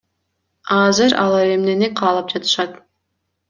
А азыр алар эмнени каалап жатышат?